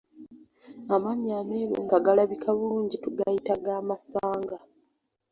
Amannyo ameeru nga galabika bulungi tugayita ga masanga.